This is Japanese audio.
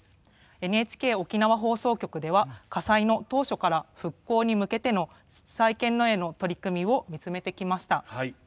ＮＨＫ沖縄放送局では火災の当初から復興に向けての再建への取り組みを見つめてきました。